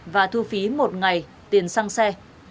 và thu phí một ngày tiền sang xe